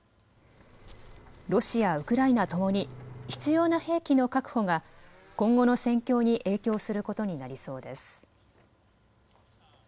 ロシア、ウクライナともに必要な兵器の確保が今後の戦況に影響することになりそうです。